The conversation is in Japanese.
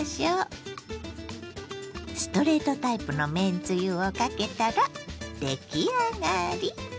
ストレートタイプのめんつゆをかけたら出来上がり。